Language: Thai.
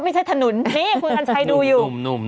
ไม่ใช่ถนนนี่คุณกัญชัยดูอยู่